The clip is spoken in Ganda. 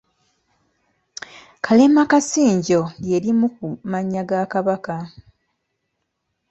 Kalemakansinjo lye limu ku mannya ga Kabaka.